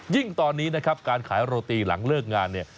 ยิ่งตอนนี้นะครับการขายโรตีหลังเลิกงานเนี่ย